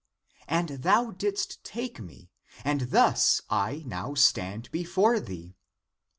And thou didst take me, and thus I now stand be fore thee.